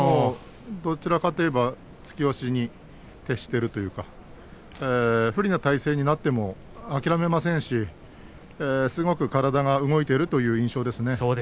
どちらかといえば突き押しに徹しているというか不利な体勢になっても諦めませんし、すごく体が動いているという印象ですね。